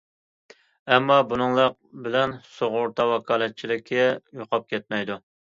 ئەمما بۇنىڭلىق بىلەن سۇغۇرتا ۋاكالەتچىلىكى يوقاپ كەتمەيدۇ.